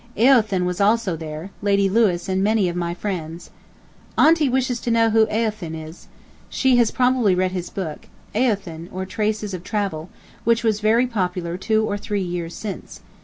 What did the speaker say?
"Eothen" was also there, Lady Lewis and many of my friends. ... Aunty wishes to know who is "Eothen." She has probably read his book, "Eothen, or Traces of Travel," which was very popular two or three years since.